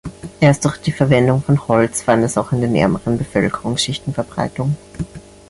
Erst durch die Verwendung von Holz fand es auch in den ärmeren Bevölkerungsschichten Verbreitung.